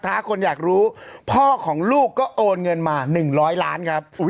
ถ้าคนอยากรู้พ่อของลูกก็โอนเงินมา๑๐๐ล้านครับ